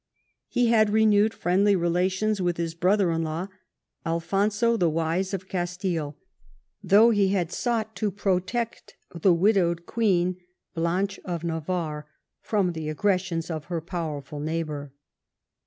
He had renewed friendly relations with his brother in law, Alfonso the Wise of Castile, though he had sought to protect the widowed queen Blanche of Navarre from the aggressions of her powerful neighbour.